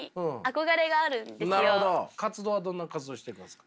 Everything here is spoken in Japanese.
活動はどんな活動していますか？